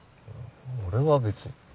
俺は別に。